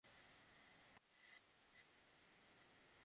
সকাল থেকে হালকা বৃষ্টি হলেও মহাসড়কের গাজীপুর অংশে কোনো যানজট হয়নি।